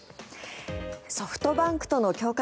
ソフトバンクとの強化